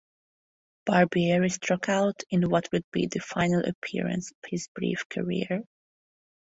Barbieri struck out in what would be the final appearance of his brief career.